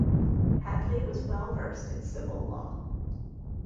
Hadley was well versed in civil law.